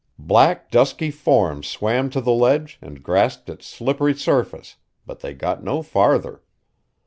Black, dusky forms swam to the ledge and grasped its slippery surface, but they got no farther.